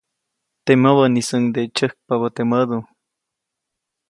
Teʼ mäbäʼnisuŋde tsyäjkpabä teʼ mädu.